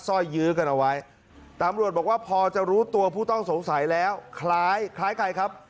ร้อยยื้อกันเอาไว้ตำรวจบอกว่าพอจะรู้ตัวผู้ต้องสงสัยแล้วคล้ายคล้ายใครครับ